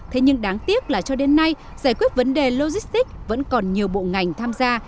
thế nhưng đáng tiếc là cho đến nay giải quyết vấn đề logistics vẫn còn nhiều bộ ngành tham gia